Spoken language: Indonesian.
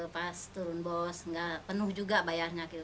pas turun bos nggak penuh juga bayarnya gitu